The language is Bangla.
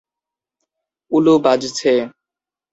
উলু বাজছে।